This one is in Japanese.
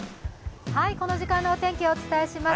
この時間のお天気、お伝えします。